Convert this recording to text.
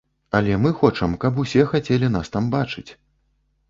Але мы хочам, каб усе хацелі нас там бачыць.